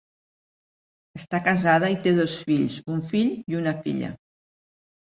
Està casada i té dos fills, un fill i una filla.